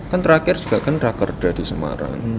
kan terakhir juga kan rakerda di semarang